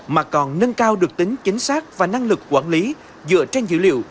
mà còn nâng cao được tính chính xác và năng lực quản lý dựa trên dữ liệu